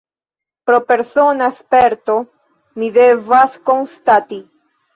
Pro persona sperto, mi devas konstati.